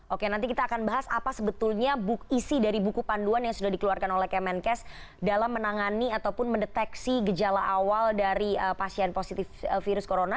oke nanti kita akan bahas apa sebetulnya isi dari buku panduan yang sudah dikeluarkan oleh kemenkes dalam menangani ataupun mendeteksi gejala awal dari pasien positif virus corona